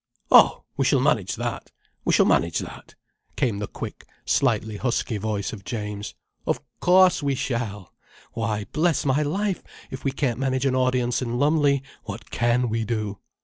"Oh, we shall manage that, we shall manage that," came the quick, slightly husky voice of James. "Of cauce we shall! Why bless my life, if we can't manage an audience in Lumley, what can we do."